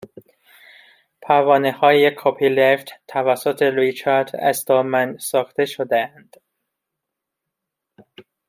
پروانههای کپیلفت توسط ریچارد استالمن ساخته شدهاند